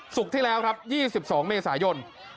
ศุกร์ที่แล้วครับ๒๒เมษายน